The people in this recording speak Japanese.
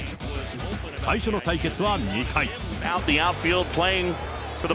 最初の対決は２回。